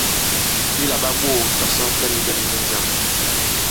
Bi làɓa ɓoō tɔ̀sɔ ɓɛ̀nɓɛ̀n nì njɛ̀w.